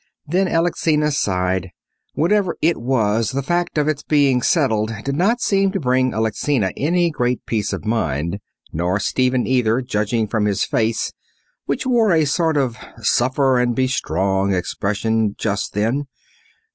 Then Alexina sighed. Whatever "it" was, the fact of its being settled did not seem to bring Alexina any great peace of mind nor Stephen either, judging from his face, which wore a sort of "suffer and be strong" expression just then.